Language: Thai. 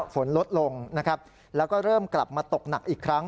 ฝนลดลงนะครับแล้วก็เริ่มกลับมาตกหนักอีกครั้ง